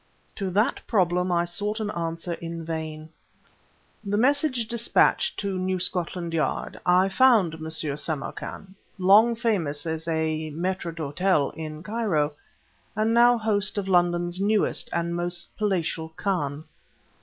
To that problem I sought an answer in vain. The message despatched to New Scotland Yard, I found M. Samarkan, long famous as a mâitre d' hôtel in Cairo, and now host of London's newest and most palatial khan.